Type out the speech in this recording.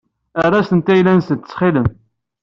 Err-asent-d ayla-nsent ttxil-m.